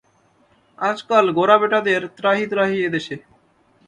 আজকাল গোঁড়া বেটাদের ত্রাহি-ত্রাহি এদেশে।